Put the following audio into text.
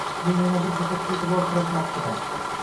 Men yana bir jihatga e’tibor qaratmoqchiman.